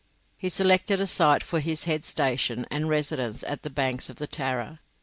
He selected a site for his head station and residence on the banks of the Tarra.